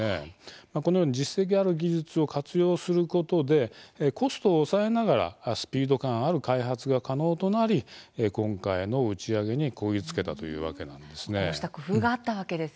このように実績ある技術を活用することでコストを抑えながらスピード感ある開発が可能となり今回の打ち上げにこぎ着けたというわけなんです。